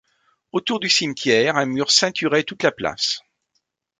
Autour du cimetière, un mur ceinturait toute la place.